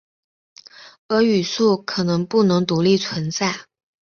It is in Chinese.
而语素可能不能独立存在。